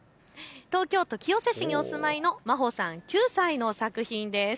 東京と清瀬市にお住まいのまほさん９歳の作品です。